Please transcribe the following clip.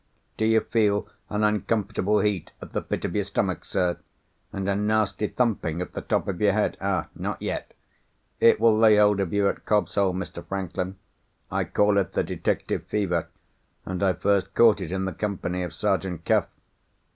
"Do you feel an uncomfortable heat at the pit of your stomach, sir? and a nasty thumping at the top of your head? Ah! not yet? It will lay hold of you at Cobb's Hole, Mr. Franklin. I call it the detective fever; and I first caught it in the company of Sergeant Cuff."